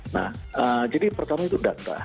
nah jadi pertama itu data